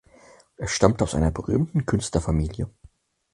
Er stammte aus einer berühmten Künstlerfamilie.